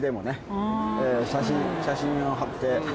写真写真を貼って。